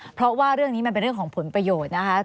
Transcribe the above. เพราะว่าเรื่องนี้มันเป็นเรื่องของผลประโยชน์นะคะ